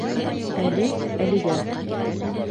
Әле, әлегә.